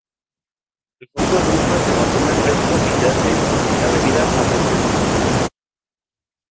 El fruto drupa se consume fresco, y se hace la bebida arrope.